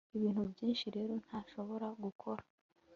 ibintu byinshi rero ntashobora gukora